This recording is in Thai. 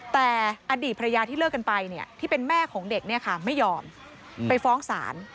แต่อดีตภรรยาที่เลิกกันไปที่เป็นแม่ของเด็กไม่ยอมไปฟ้องศาล